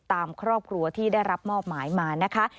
ตามครอบครัวที่ได้รับมอบหมายมานะคะ